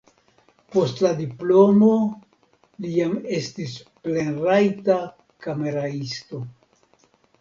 Post la diplomo li jam estis plenrajta kameraisto.